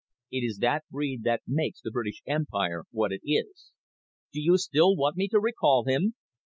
It is that breed that makes the British Empire what it is. Do you still want me to recall him?"